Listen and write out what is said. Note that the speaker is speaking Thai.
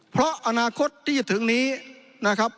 เพราะอนาคตที่จะถึงนี้นะครับ